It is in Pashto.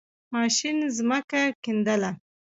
ماشین زَمکه کیندله.